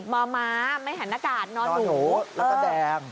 มัวม้าไม่เห็นอากาศนอนหูนอนหูแล้วก็แดง